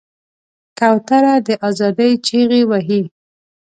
کوتره د آزادۍ چیغې وهي.